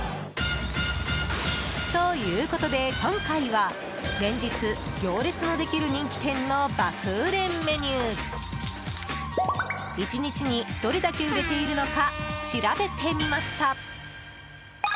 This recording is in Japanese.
ということで今回は連日、行列のできる人気店の爆売れメニュー１日にどれだけ売れているのか調べてみました。